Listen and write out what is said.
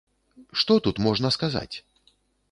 Што тут можна сказаць?